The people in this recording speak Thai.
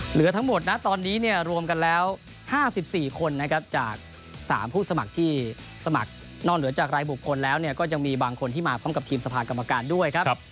เหลือทั้งหมดนะตอนนี้เนี่ยรวมกันแล้ว๕๔คนนะครับจาก๓ผู้สมัครที่สมัครนอกเหนือจากรายบุคคลแล้วก็ยังมีบางคนที่มาพร้อมกับทีมสภากรรมการด้วยครับ